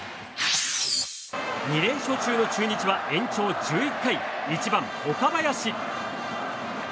２連勝中の中日は延長１１回１番、岡林。